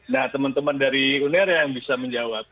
nah teman teman dari uner yang bisa menjawab